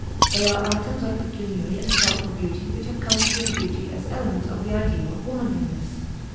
They are items of pecuniary and cultural beauty which have come to do duty as elements of the ideal of womanliness.